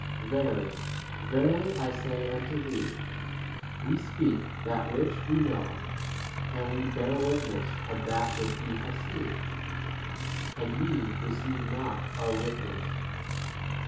Verily, verily, I say unto thee, "We speak that which we know, and we bear wit ness of that which we have seen, 12 and ye receive not our witness.